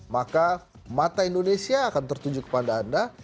maka mata indonesia akan tertuju kepada anda